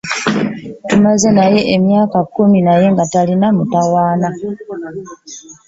Tumaze naye emyaka kkumi naye nga talina mutawaana.